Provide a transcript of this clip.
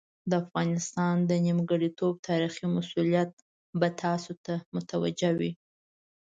د افغانستان د نیمګړتوب تاریخي مسوولیت به تاسو ته متوجه وي.